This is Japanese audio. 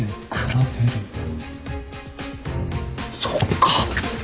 そうか！